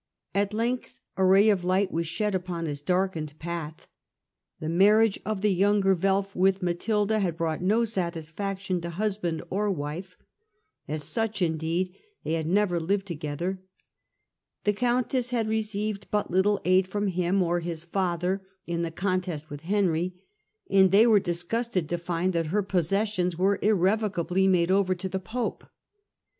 At length a ray of light was shed upon his darkened path. The marriage of the younger Welf with Matilda had brought no satisfaction to husband or wife. As such, indeed, they had never lived togeth^. The countess had received but little aid from him or his father in the contest with Henry, and they were dis gusted to find that her possessions were irrevocably Henry is Hiado ovcr to the pope.